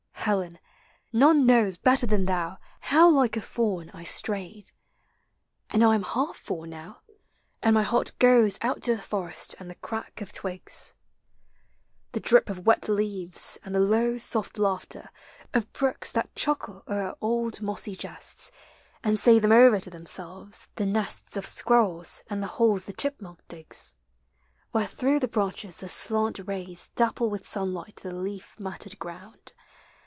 Helen, none knows Better than thou how like a Faun I strayed. And I am half Faun now, and my heart goes Out to the forest and the crack of twigs, The drip of wet leaves and the low soft laughter Of brooks that chuckle o'er old mossy jests And say them over to themselves, the nests Of squirrels and the holes the chipmunk digs. Where through the branches the slant rays Dapple with sunlight the leaf matted ground.